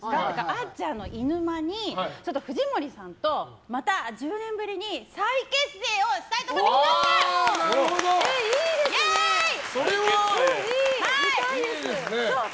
あっちゃんのいぬ間に藤森さんとまた１０年ぶりに再結成をしたいと思っていいですね、見たいです！